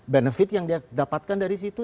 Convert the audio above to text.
benefit yang dia dapatkan dari situ